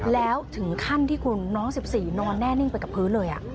แล้วถึงขั้นที่คุณน้อง๑๔นอนแน่นิ่งไปกับพื้นเลย